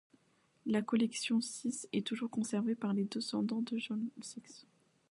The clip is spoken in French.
La collection Six est toujours conservée par les descendants de Jan Six.